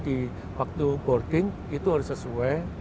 di waktu boarding itu harus sesuai